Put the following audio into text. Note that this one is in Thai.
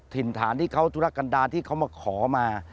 ถิ่นฐานที่เขาธุรกันดาที่เขามาขอมา